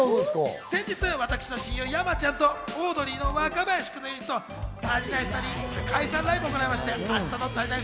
先日私の親友・山ちゃんとオードリーの若林君のユニット・たりないふたりが解散ライブを行いました。